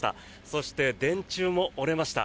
そして、電柱も折れました。